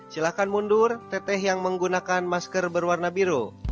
silahkan mundur teteh yang menggunakan masker berwarna biru